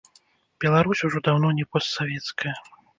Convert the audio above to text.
Беларусь ужо даўно не постсавецкая.